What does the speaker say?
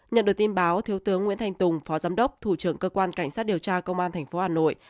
nhận được tin báo thiếu tướng nguyễn thanh tùng phó giám đốc thủ trưởng cơ quan cảnh sát điều tra công an tp hà nội